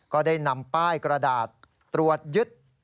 ก็ได้นำป้ายกระดาษตรวจยึด